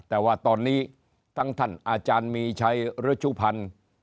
แต่ว่าตอนนี้ทั้งท่านอาจารย์มีชัยฤชุพันธ์